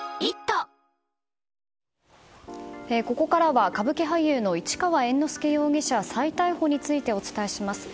ここからは歌舞伎俳優の市川猿之助容疑者再逮捕についてお伝えします。